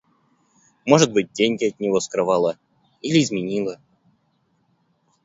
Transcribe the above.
Может быть, деньги от него скрывала или изменила